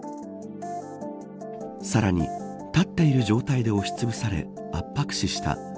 さらに立っている状態で押しつぶされ圧迫死した。